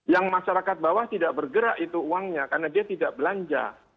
yang masyarakat bawah tidak bergerak itu uangnya karena dia tidak belanja